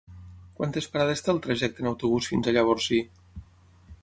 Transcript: Quantes parades té el trajecte en autobús fins a Llavorsí?